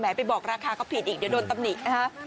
ไปบอกราคาก็ผิดอีกเดี๋ยวโดนตำหนินะฮะ